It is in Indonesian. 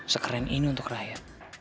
sekeren ini untuk raya